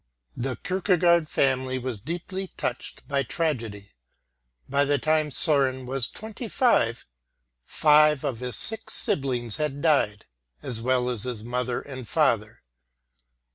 The Kierkegaard family was deeply touched by tragedy. By the time S°ren was 25, 5 of his 6 siblings had died, as well as his mother and father.